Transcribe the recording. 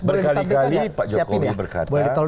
berkali kali pak jokowi berkata